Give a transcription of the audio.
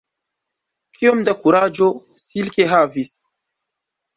Kiom da kuraĝo Silke havis!